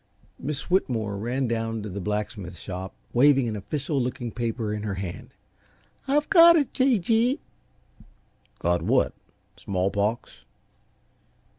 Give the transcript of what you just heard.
Miss Whitmore ran down to the blacksmith shop, waving an official looking paper in her hand. "I've got it, J. G.!" "Got what smallpox?"